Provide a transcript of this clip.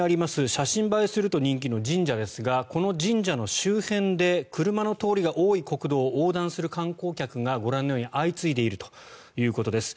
写真映えすると人気の神社ですがこの神社の周辺で車の通りが多い国道を横断する観光客がご覧のように相次いでいるということです。